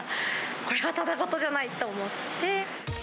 これはただごとじゃないと思って。